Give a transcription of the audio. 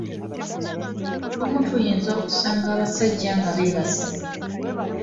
Olumu tuyinza okusanga abasajja nga beebase.